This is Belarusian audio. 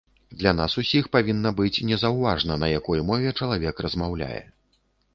Для нас усіх павінна быць незаўважна, на якой мове чалавек размаўляе.